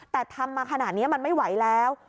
แต่ทำมาขนาดนี้มันไม่ไหวแล้ว